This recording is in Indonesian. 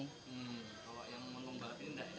kalau yang mengumbat